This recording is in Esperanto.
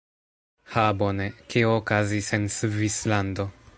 Ha bone. Kio okazis en Svislando?